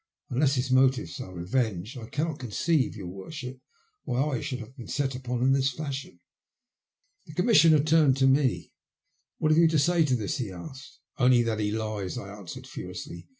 Unless his motives are revenge, I cannot conceive, your worship, why I should have been set upon in this fashion." The Commissioner turned to me. " What have you to say to this ?" he asked. " Only that he lies," I answered furiously.